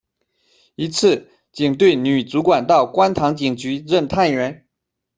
一次警队女主管到观塘警局任探员。